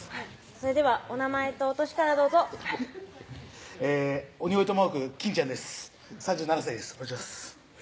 それではお名前とお歳からどうぞ鬼越トマホーク金ちゃんです３７歳ですお願いします